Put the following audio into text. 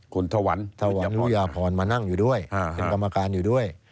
คุณถวันถวันรุยาพรมานั่งอยู่ด้วยเป็นกรรมการอยู่ด้วย